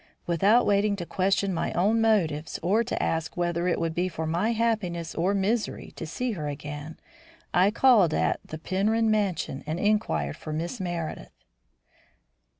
Without waiting to question my own motives or to ask whether it would be for my happiness or misery to see her again, I called at the Penrhyn mansion and inquired for Miss Meredith.